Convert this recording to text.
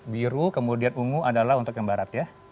biru kemudian ungu adalah untuk yang barat ya